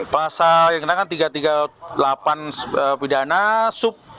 pasal yang dikenakan tiga ratus tiga puluh delapan pidana sub tiga ratus tiga puluh delapan